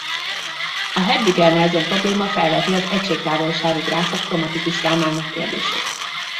A Hadwiger–Nelson-probléma felveti az egység távolságú gráfok kromatikus számának kérdését.